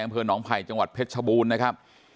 อำเภอหนองไผ่จังหวัดเพชรชบูรณ์นะครับ